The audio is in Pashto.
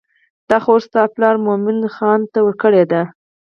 دا خور ستا پلار مومن خان ته ورکړې ده.